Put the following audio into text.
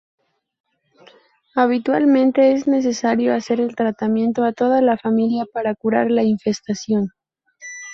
Habitualmente es necesario hacer el tratamiento a toda la familia para curar la infestación.